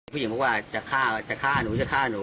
ผู้หญิงบอกว่าจะฆ่าจะฆ่าหนูจะฆ่าหนู